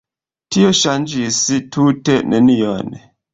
Tio ŝanĝis tute nenion.